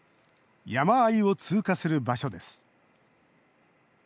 山あいを通過する場所です。